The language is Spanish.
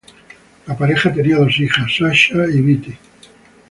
La pareja tenía dos hijas, Sasha y Beattie.